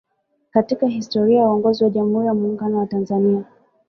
Katika historia ya uongozi wa Jamhuri ya Muungano wa Tanzania